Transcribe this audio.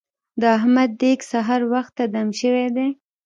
د احمد دېګ سهار وخته دم شوی دی.